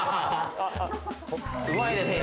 うまいですね。